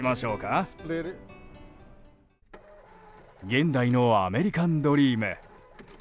現代のアメリカンドリーム。